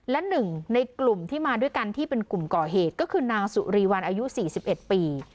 และหนึ่งในกลุ่มที่มาด้วยกันที่เป็นกลุ่มก่อเหตุก็คือนางสุรีวันอายุ๔๑ปี